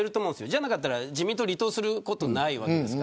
じゃなかったら自民党離党することがないわけです。